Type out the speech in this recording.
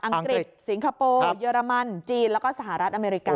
องกฤษสิงคโปร์เยอรมันจีนแล้วก็สหรัฐอเมริกา